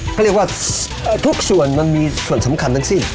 เขาเรียกว่าทุกส่วนมันมีส่วนสำคัญทั้งสิ้น